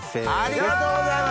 ありがとうございます！